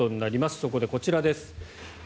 そこでこちらです。